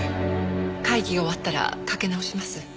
会議が終わったら掛け直します。